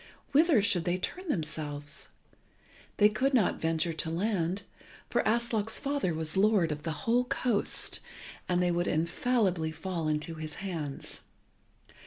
Whither should they turn themselves? They could not venture to land, for Aslog's father was lord of the whole coast, and they would infallibly fall into his hands.